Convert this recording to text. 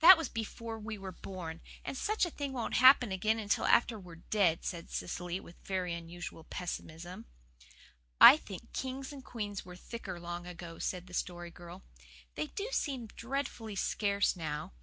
"That was before we were born, and such a thing won't happen again until after we're dead," said Cecily, with very unusual pessimism. "I think queens and kings were thicker long ago," said the Story Girl. "They do seem dreadfully scarce now.